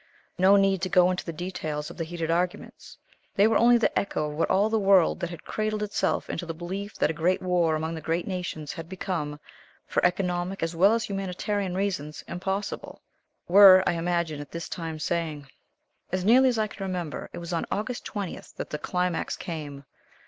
No need to go into the details of the heated arguments. They were only the echo of what all the world, that had cradled itself into the belief that a great war among the great nations had become, for economic as well as humanitarian reasons, impossible, were, I imagine, at this time saying. As nearly as I can remember it was on August 20th that the climax came.